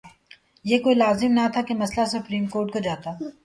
یہ کوئی لازم نہ تھا کہ مسئلہ سپریم کورٹ کو جاتا۔